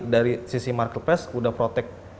baik itu nama sorry kontak